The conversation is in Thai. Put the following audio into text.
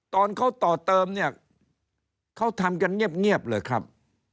ตอนเขาต่อเติมเนี่ยเขาทำกันเงียบเลยครับ